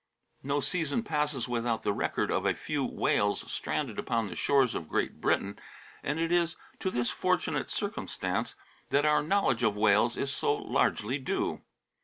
No season passes without the record of a few whales stranded upon the shores of Great Britain, and it is to this fortunate circumstance that our knowledge of whales is so largely due.